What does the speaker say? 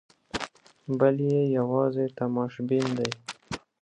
بل یې یوازې تماشبین دی.